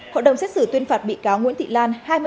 hội đồng xét xử tuyên phạt bị cáo nguyễn thị lan